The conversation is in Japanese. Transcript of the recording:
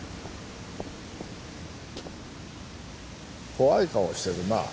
怖い顔してるな。